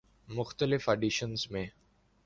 مختلف آڈیشنزمیں